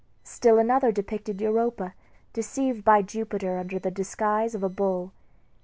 Still another depicted Europa deceived by Jupiter under the disguise of a bull.